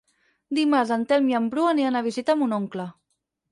Dimarts en Telm i en Bru aniran a visitar mon oncle.